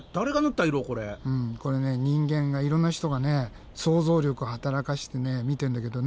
これね人間がいろんな人がね想像力を働かせてみてんだけどね